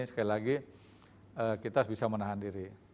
sekali lagi kita harus bisa menahan diri